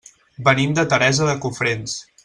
Venim de Teresa de Cofrents.